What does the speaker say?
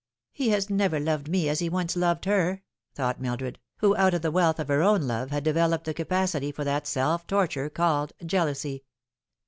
" He has never loved me as he once loved her," thought Mildred, who out of the wealth of her own love had developed the capacity for that self torture called jealousy.